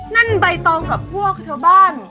นั่นใบตองกับพวกชาวบ้าน